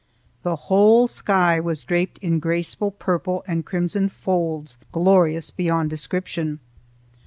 The whole sky was draped in graceful purple and crimson folds glorious beyond description.